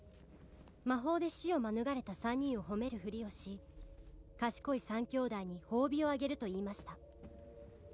「魔法で死を免れた３人を褒めるふりをし」「賢い３兄弟に褒美をあげると言いました」